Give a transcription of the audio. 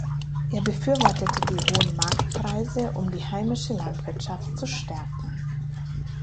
Er befürwortete die hohen Marktpreise, um die heimische Landwirtschaft zu stärken.